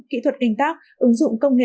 kỹ thuật canh tác ứng dụng công nghệ